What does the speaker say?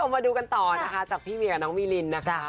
มาดูกันต่อนะคะจากพี่เวียกับน้องมิลินนะคะ